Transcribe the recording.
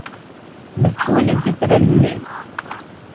La tettwalimt itran-nni?